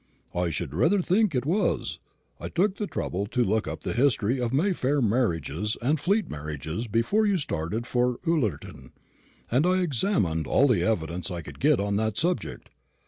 "I should rather think it was. I took the trouble to look up the history of Mayfair marriages and Fleet marriages before you started for Ullerton, and I examined all the evidence I could get on that subject.